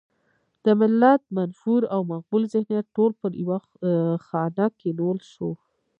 د ملت منفور او مقبول ذهنیت ټول پر يوه خانک کېنول شو.